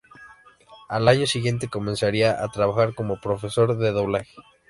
Al año siguiente comenzaría a trabajar como profesor de doblaje.